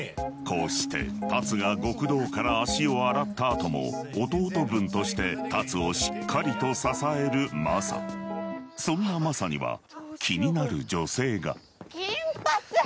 こうして龍が極道から足を洗った後も弟分として龍をしっかりと支える雅そんな雅には気になる女性が金髪！